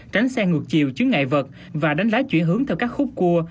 tránh xe ngược chiều chứa ngại vật và đánh lái chuyển hướng theo các khúc cua